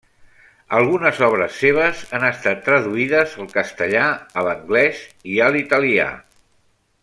Algunes obres seves han estat traduïdes al castellà, a l'anglès i a l'italià.